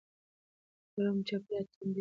ګرم چاپېریال تنده ډېروي.